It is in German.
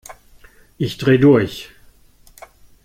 Ich dreh durch!